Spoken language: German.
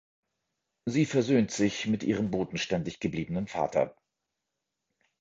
Sie versöhnt sich mit ihrem bodenständig gebliebenen Vater.